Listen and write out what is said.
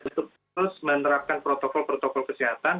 harus menerapkan protokol protokol kesehatan